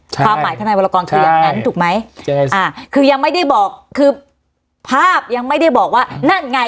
ความหมายทนายวรกรคืออย่างนั้นถูกไหมอ่าคือยังไม่ได้บอกคือภาพยังไม่ได้บอกว่านั่นไง